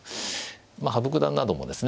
まあ羽生九段などもですね